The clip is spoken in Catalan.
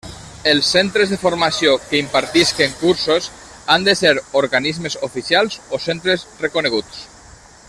Els centres de formació que impartisquen cursos han de ser organismes oficials o centres reconeguts.